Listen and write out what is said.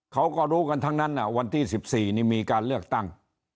เขาก็รู้กันทั้งนั้นวันที่๑๔นี่มีการเลือกตั้ง